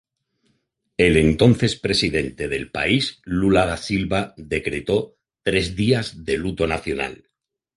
El entonces presidente del país Lula da Silva decretó tres días de luto oficial.